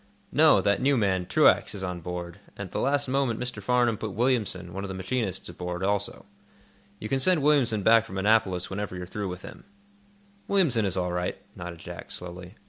"No; that new man, Truax, is on board, and at the last moment Mr. Farnum put Williamson, one of the machinists, aboard, also. You can send Williamson back from Annapolis whenever you're through with him." "Williamson is all right," nodded Jack, slowly.